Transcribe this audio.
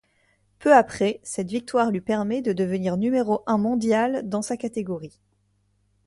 Peu après, cette victoire lui permet de devenir numéro un mondiale dans sa catégorie.